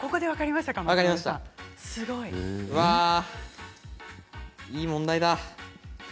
分かりました、いい問題だ。